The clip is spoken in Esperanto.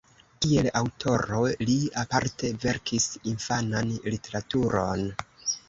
Kiel aŭtoro li aparte verkis infanan literaturon.